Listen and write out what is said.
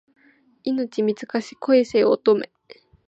命短し恋せよ乙女